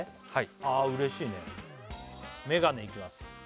ああ嬉しいねメガネいきます